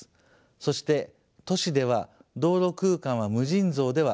そして都市では道路空間は無尽蔵ではありません。